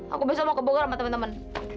aku besok mau ke bogor sama temen temen